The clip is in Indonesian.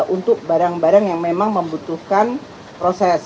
untuk barang barang yang memang membutuhkan proses